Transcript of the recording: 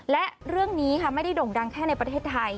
และเรื่องนี้ค่ะไม่ได้โด่งดังแค่ในประเทศไทย